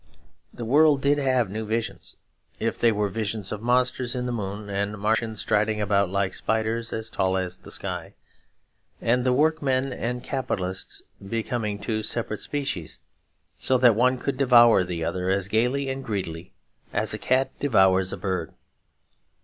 The world did have new visions, if they were visions of monsters in the moon and Martians striding about like spiders as tall as the sky, and the workmen and capitalists becoming two separate species, so that one could devour the other as gaily and greedily as a cat devours a bird.